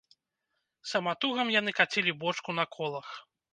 Саматугам яны кацілі бочку на колах.